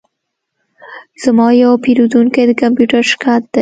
زما یو پیرودونکی د کمپیوټر شرکت دی